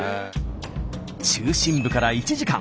中心部から１時間。